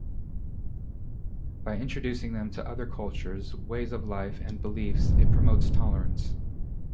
By introducing them to other cultures, ways of life and beliefs, it promotes tolerance.